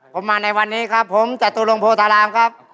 ผมมาในวันนี้ครับผมจตุรงโพธารามครับ